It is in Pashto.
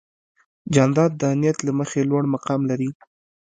جانداد د نیت له مخې لوړ مقام لري.